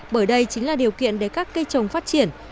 bởi đây chính là điều kiện để các cây trồng phát triển